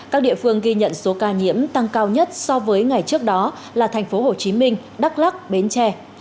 các địa phương ghi nhận số ca nhiễm tăng cao nhất so với ngày trước đó là thành phố hồ chí minh đắk lắc bến tre